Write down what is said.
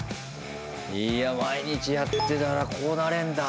いや、毎日やってたらこうなれんだ。